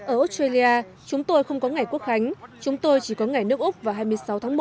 ở australia chúng tôi không có ngày quốc khánh chúng tôi chỉ có ngày nước úc vào hai mươi sáu tháng một